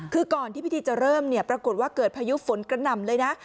คือก่อนที่พิธีจะเริ่มเนี่ยปรากฏว่าเกิดพายุฝนกระหน่ำเลยนะ